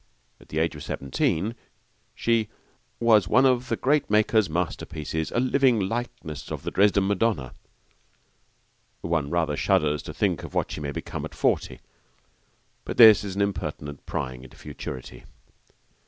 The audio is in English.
At the age of seventeen she 'was one of the Great Maker's masterpieces ... a living likeness of the Dresden Madonna.' One rather shudders to think of what she may become at forty, but this is an impertinent prying into futurity.